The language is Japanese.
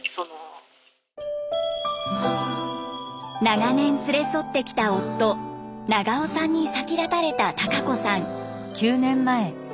長年連れ添ってきた夫長男さんに先立たれた孝子さん。